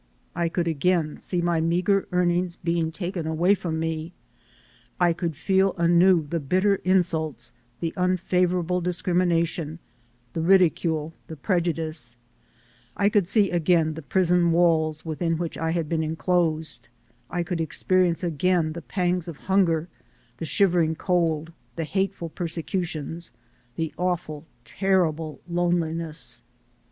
I could again see my meager earnings be ing taken away from me ; I could feel anew the bitter 300 THE SOUL OF AN IMMIGRANT insults, the unfavorable discrimination, the ridicule, the prejudice; I could see again the prison walls within which I had been enclosed; I could experience again the pangs of hunger, the shivering cold, the hateful persecutions, the awful, terrible loneliness.